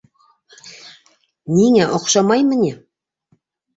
Ниңә, оҡшамаймы ни?